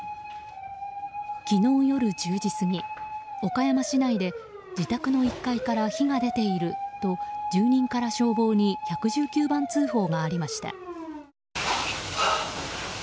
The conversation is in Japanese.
昨日午後１０時過ぎ岡山市内で自宅の１階から火が出ていると住人から消防に１１９番通報がありました。